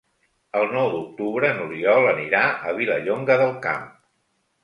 El nou d'octubre n'Oriol anirà a Vilallonga del Camp.